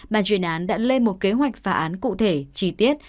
bàn chuyên án đã lên một kế hoạch phá án cụ thể chi tiết